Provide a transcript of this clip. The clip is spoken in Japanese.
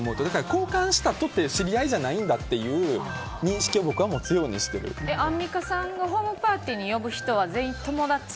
交換したとて知り合いじゃないんだっていう認識をアンミカさんがホームパーティーに呼ぶ人は全員友達？